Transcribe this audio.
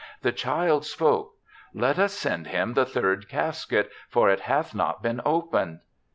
The child spoke, " Let us send him the third casket, for it hath not been opened."